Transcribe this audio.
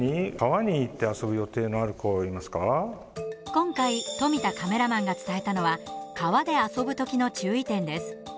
今回、富田カメラマンが伝えたのは川で遊ぶ時の注意点です。